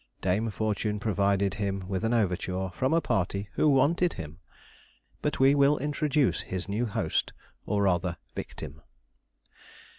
Dame Fortune provided him with an overture from a party who wanted him! But we will introduce his new host, or rather victim.